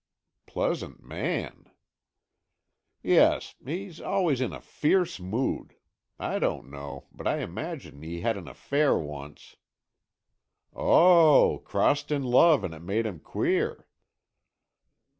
"Pleasant man!" "Yes. He's always in a fierce mood. I don't know, but I imagine he had an affair once...." "Oh, crossed in love and it made him queer."